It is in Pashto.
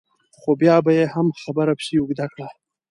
خو بیا به یې هم خبره پسې اوږده کړه.